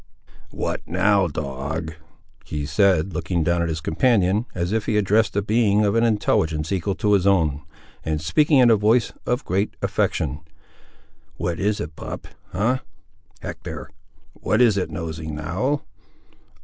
"What now, dog?" he said, looking down at his companion, as if he addressed a being of an intelligence equal to his own, and speaking in a voice of great affection. "What is it, pup? ha! Hector; what is it nosing, now?